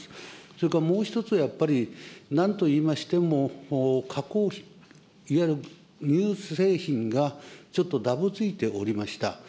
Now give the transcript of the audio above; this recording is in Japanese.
それからもう一つ、やっぱりなんといいましても、加工、いわゆる乳製品が、ちょっとだぶついておりました。